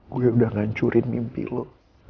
gue udah ngancurin mimpi lo